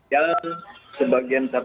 yang sebagian satu tamib